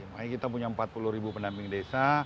makanya kita punya empat puluh ribu pendamping desa